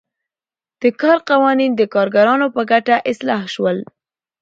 د کار قوانین د کارګرانو په ګټه اصلاح شول.